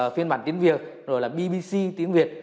phiên bản tiếng việt bbc tiếng việt